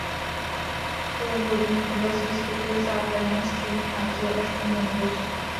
Původní oblast výskytu je západní a střední Asie až po Mongolsko.